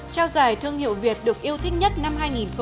trao giải thương hiệu việt được yêu thích nhất năm hai nghìn một mươi chín